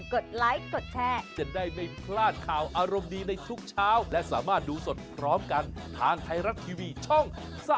ดไลค์กดแชร์จะได้ไม่พลาดข่าวอารมณ์ดีในทุกเช้าและสามารถดูสดพร้อมกันทางไทยรัฐทีวีช่อง๓๒